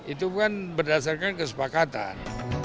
itu kan berdasarkan kesepakatan